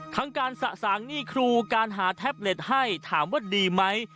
ทั้งการสะสางหนี้ครูการหาแท็บเล็ตให้ถามว่าดีไหม